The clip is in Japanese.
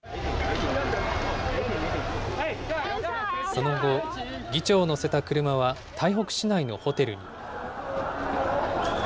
その後、議長を乗せた車は台北市内のホテルに。